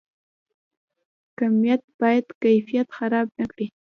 کمیت باید کیفیت خراب نکړي